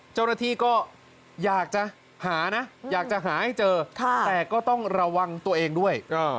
เจ้าหน้าที่ก็อยากจะหานะอยากจะหาให้เจอแต่ก็ต้องระวังตัวเองด้วย